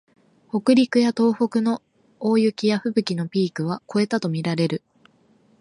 北陸や東北の大雪やふぶきのピークは越えたとみられる